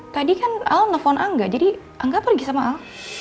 tadi kan al nelfon angga jadi angga pergi sama al